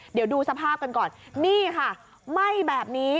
เดี๋ยวดูสภาพกันก่อนนี่ค่ะไหม้แบบนี้